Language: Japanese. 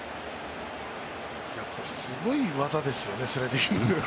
すごい技ですよね、スライディングで。